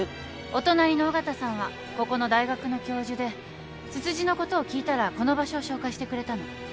お隣の尾形さんはここの大学の教授でツツジのことを聞いたらこの場所を紹介してくれたの。